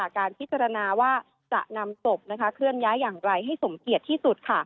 การพิจารณาว่าจะนำศพเคลื่อนย้ายอย่างไรให้สมเกียจที่สุด